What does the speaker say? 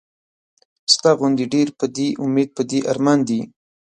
ستا غوندې ډېر پۀ دې اميد پۀ دې ارمان دي